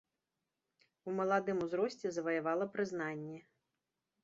У маладым узросце заваявала прызнанне.